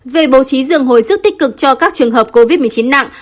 về bố trí giường hồi sức tích cực cho các trường hợp covid một mươi chín nặng